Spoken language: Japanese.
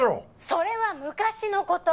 「それは昔の事！」